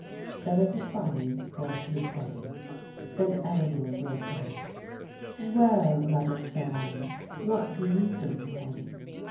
There was a silence for a few seconds, then Eleanor broke out :" Well, Mother's darling, what do you think of him?"